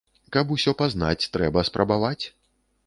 Каб усё пазнаць, трэба спрабаваць.